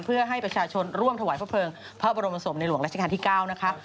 เพื่อให้ประชาชนร่วมถวายพระเภิงพระบรมศพในหลวงราชการที่๙นะคะ